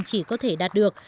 chỉ có thể đạt được